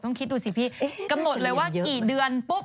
ต้องคิดดูสิพี่กระหมดเลยว่ากี่เดือนบุ๊บ